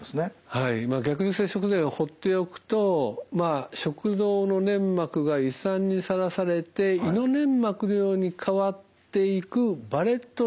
はい逆流性食道炎を放っておくと食道の粘膜が胃酸にさらされて胃の粘膜のように変わっていくバレット